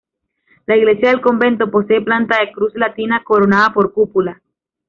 La iglesia del convento posee planta de cruz latina coronada por cúpula.